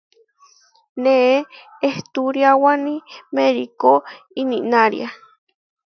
Neé ehturiáwani merikó ininária.